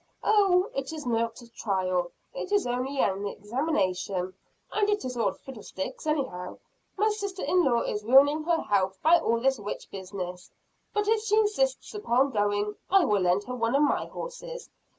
"Oh, it is not a trial it is only an examination. And it is all fiddlesticks, anyhow. My sister in law is ruining her health by all this witch business. But if she insists upon going, I will lend her one of my horses.